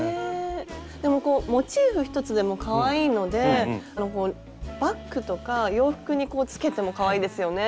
でもこうモチーフ１つでもかわいいのであのバッグとか洋服にこうつけてもかわいいですよね。